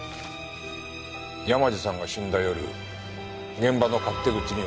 山路さんが死んだ夜現場の勝手口に落ちていました。